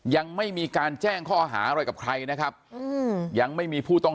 ยังไม่มีการแจ้งข้อหาอะไรกับใครนะครับยังไม่มีผู้ต้อง